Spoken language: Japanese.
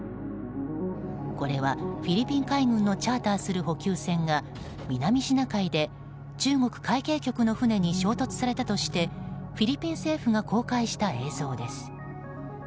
これは、フィリピン海軍のチャーターする補給船が南シナ海で中国海警局の船に衝突されたとしてフィリピン政府が公開した映像です。